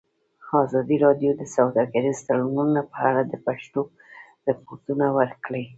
ازادي راډیو د سوداګریز تړونونه په اړه د پېښو رپوټونه ورکړي.